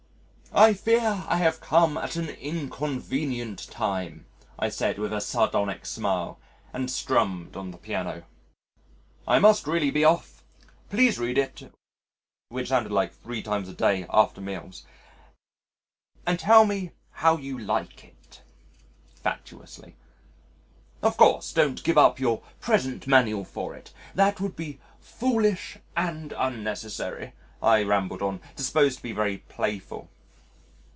"I fear I have come at an inconvenient time," I said, with a sardonic smile and strummed on the piano.... "I must really be off. Please read it (which sounded like 'three times a day after meals') and tell me how you like it. (Facetiously.) Of course don't give up your present manual for it, that would be foolish and unnecessary." ... I rambled on disposed to be very playful.